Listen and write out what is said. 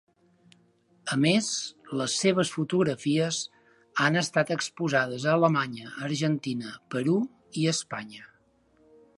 A més, les seves fotografies han estat exposades a Alemanya, Argentina, Perú i Espanya.